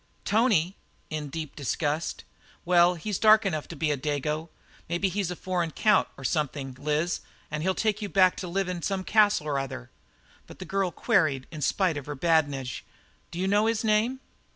"Tony!" in deep disgust. "Well, he's dark enough to be a dago! Maybe he's a foreign count, or something, Liz, and he'll take you back to live in some castle or other." But the girl queried, in spite of this badinage: "Do you know his name?"